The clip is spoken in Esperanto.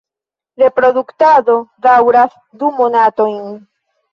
Reproduktado daŭras du monatojn.